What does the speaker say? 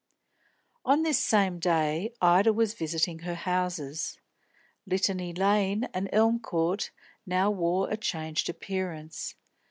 On this same day, Ida was visiting her houses. Litany Lane and Elm Court now wore a changed appearance.